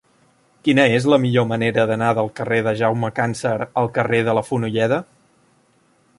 Quina és la millor manera d'anar del carrer de Jaume Càncer al carrer de la Fonolleda?